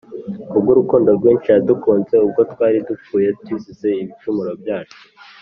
Kubw’urukundo rwinshi yadukunze, ubwo twari dupfuye tuzize ibicumuro byacu,